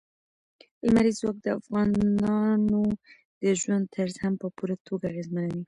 لمریز ځواک د افغانانو د ژوند طرز هم په پوره توګه اغېزمنوي.